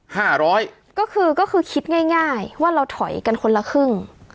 ห้าร้อยก็คือก็คือคิดง่ายง่ายว่าเราถอยกันคนละครึ่ง